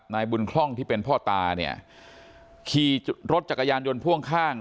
นายบุญคล่องที่เป็นพ่อตาเนี่ยขี่รถจักรยานยนต์พ่วงข้าง